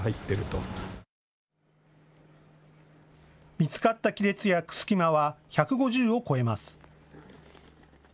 見つかった亀裂や隙間は１５０を超えます。